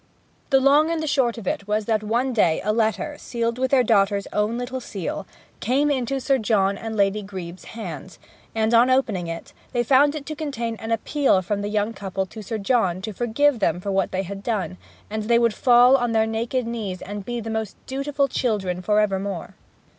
The long and the short of it was that one day a letter, sealed with their daughter's own little seal, came into Sir John and Lady Grebe's hands; and, on opening it, they found it to contain an appeal from the young couple to Sir John to forgive them for what they had done, and they would fall on their naked knees and be most dutiful children for evermore.